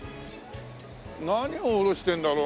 何を卸してるんだろうね？